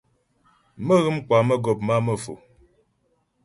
Mə́́ghə̌m kwa mə́gɔ̌p má'a Mefo.